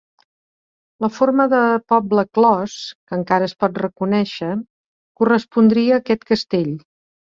La forma de poble clos, que encara es pot reconèixer, correspondria a aquest castell.